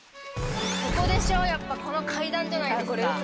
ここでしょやっぱこの階段じゃないですか。